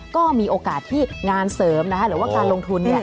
ก็มีโอกาสที่งานเสริมนะคะหรือว่าการลงทุนเนี่ย